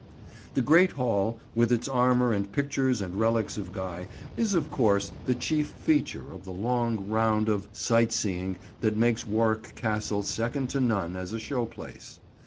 The Great Hall, with its armour and pictures and relics of Guy, is of course the chief feature of the long round of sight seeing that makes Warwick Castle second to none as a show place.